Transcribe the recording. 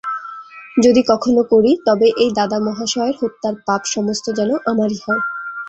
যদি কখনাে করি, তবে এই দাদা মহাশয়ের হত্যার পাপ সমস্ত যেন আমারই হয়?